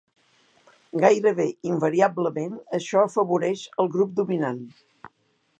Gairebé invariablement això afavoreix al grup dominant.